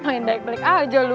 main balik balik aja lo